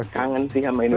kangen sih sama itu